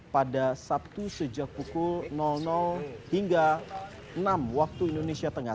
pada sabtu sejak pukul hingga enam waktu indonesia tengah